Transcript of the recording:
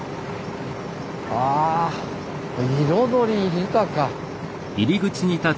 あ彩り豊か。